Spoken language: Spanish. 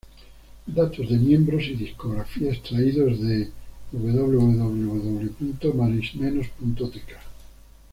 Datos de Miembros y Discografía extraídos de: www.Marismenos.tk